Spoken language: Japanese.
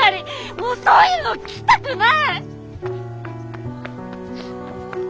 もうそういうの聞きたくない！